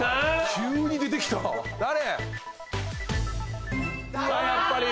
急に出てきた！誰？